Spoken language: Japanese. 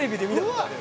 うわっ